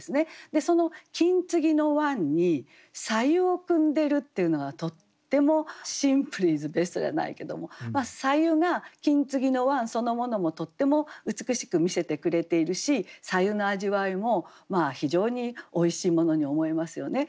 でその金継ぎの碗に白湯を汲んでるっていうのがとってもシンプルイズベストじゃないけども白湯が金継ぎの碗そのものもとっても美しく見せてくれているし白湯の味わいも非常においしいものに思えますよね。